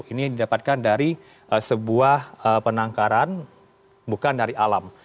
ini didapatkan dari sebuah penangkaran bukan dari alam